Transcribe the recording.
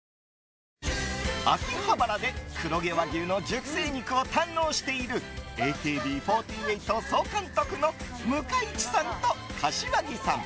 秋葉原で黒毛和牛の熟成肉を堪能しているＡＫＢ４８総監督の向井地さんと柏木さん。